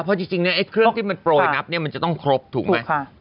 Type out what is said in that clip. เพราะจริงเนี่ยไอ้เครื่องที่มันโปรยนับเนี่ยมันจะต้องครบถูกไหม